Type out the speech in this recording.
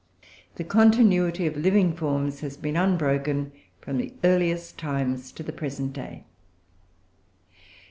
The continuity of living forms has been unbroken from the earliest times to the present day.